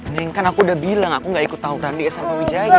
neng kan aku udah bilang aku gak ikut tahu grandi s sama wijaya